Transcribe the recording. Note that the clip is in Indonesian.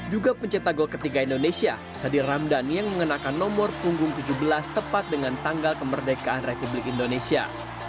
juga pencetak gol ketiga indonesia sadir ramdhan yang mengenakan nomor punggung tujuh belas tepat dengan tanggal kemerdekaan republik indonesia